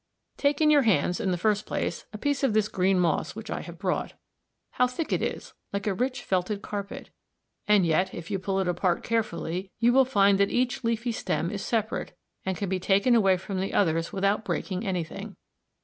Take in your hands, in the first place, a piece of this green moss which I have brought. How thick it is, like a rich felted carpet! and yet, if you pull it apart carefully, you will find that each leafy stem is separate, and can be taken away from the others without breaking anything.